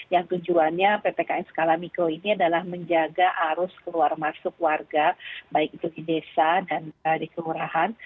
yang tujuannya ppkm skala mikro ini adalah menjaga arus keluar masuk warga baik itu di desa dan di kelurahan